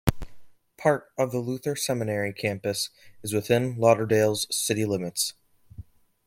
Part of the Luther Seminary campus is within Lauderdale's city limits.